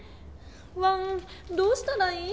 ワンどうしたらいい？